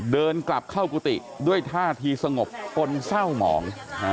เดินกลับเข้ากุฏิด้วยท่าทีสงบปนเศร้าหมอง